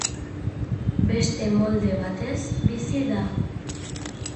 Beste molde batez bizi da.